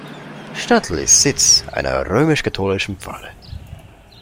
Stadl ist Sitz einer römisch-katholischen Pfarre.